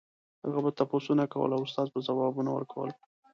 هغه به تپوسونه کول او استاد به ځوابونه ورکول.